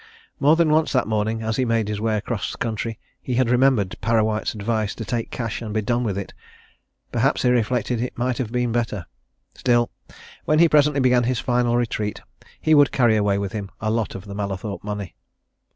More than once that morning, as he made his way across country, he had remembered Parrawhite's advice to take cash and be done with it perhaps, he reflected, it might have been better. Still when he presently began his final retreat, he would carry away with him a lot of the Mallathorpe money.